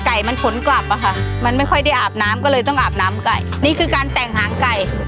มันผลกลับอะค่ะมันไม่ค่อยได้อาบน้ำก็เลยต้องอาบน้ำไก่นี่คือการแต่งหางไก่